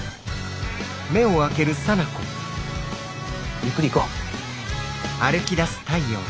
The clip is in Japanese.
ゆっくり行こう。